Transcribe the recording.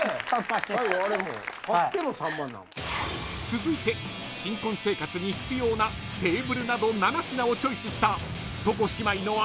［続いて新婚生活に必要なテーブルなど７品をチョイスした床姉妹の姉亜矢可選手］